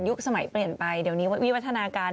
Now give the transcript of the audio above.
สมัยเปลี่ยนไปเดี๋ยวนี้วิวัฒนาการ